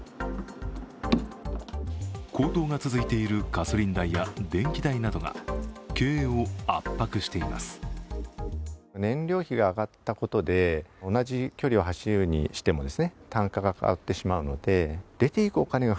高騰が続いているガソリン代や電気代などが経営を圧迫しています。